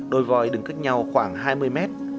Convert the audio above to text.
đôi voi đứng cách nhau khoảng hai mươi mét